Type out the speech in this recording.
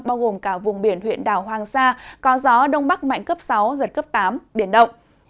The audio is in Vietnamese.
bao gồm cả vùng biển huyện đảo hoàng sa có gió đông bắc mạnh cấp sáu giật cấp tám biển động